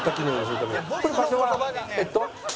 これ場所は？えっと。